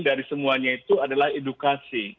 dari semuanya itu adalah edukasi